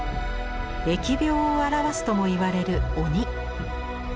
疫病を表すともいわれる鬼。